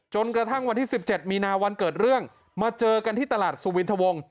กระทั่งวันที่๑๗มีนาวันเกิดเรื่องมาเจอกันที่ตลาดสุวินทวง